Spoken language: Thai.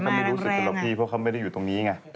คนสุดนั้นเขาไม่รู้สึกหรอกพี่เพราะเขาไม่ได้อยู่ตรงนี้